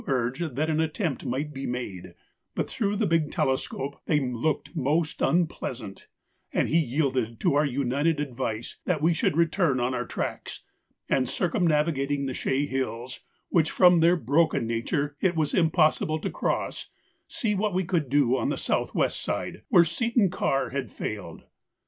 urged that an attempt might be made, but through the big telescope they looked most unpleasant, and he yielded to our united advice that we should return on our tracks, and, circumnavigating the Chaix Hills, which, from their broken nature, it was impossible to cross, see what we could do on the south west side, where Seton Karr had failed.